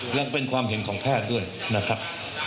และเป็นความเห็นของแพทย์ด้วยนะครับ